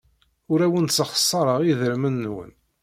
Ur awen-ssexṣareɣ idrimen-nwen.